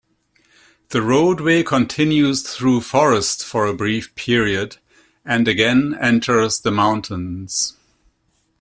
The roadway continues though forest for a brief period, and again enters the mountains.